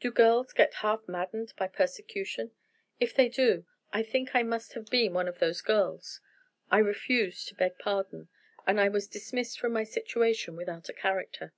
Do girls get half maddened by persecution? If they do, I think I must have been one of those girls. I refused to beg pardon; and I was dismissed from my situation without a character.